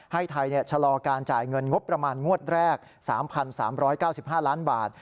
ให้ไทยชะลอการจ่ายเงินงบประมาณงวดแรก๓๓๙๕ล้านบาท